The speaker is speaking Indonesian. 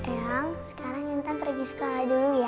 ayang sekarang kita pergi sekolah dulu ya